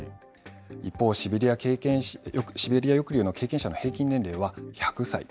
一方、シベリア抑留の経験者の平均年齢は１００歳。